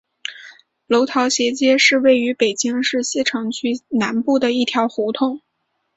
楼桃斜街是位于北京市西城区南部的一条胡同。